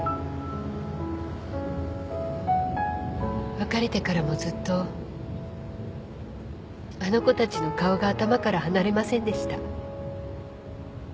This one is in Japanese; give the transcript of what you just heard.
別れてからもずっとあの子たちの顔が頭から離れませんでした。